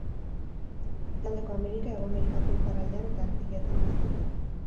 Erdialdeko Amerika, Hego Amerikako iparraldean eta Antilletan bizi dira.